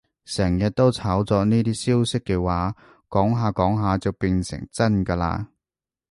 成日都炒作呢啲消息嘅話，講下講下就變成真㗎喇